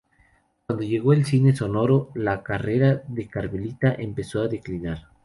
Cuando llegó el cine sonoro, la carrera de Carmelita empezó a declinar.